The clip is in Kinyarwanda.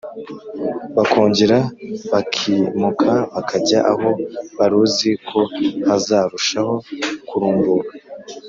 bakongera bakimuka, bakajya aho baruzi ko hazarushaho kurumbuka.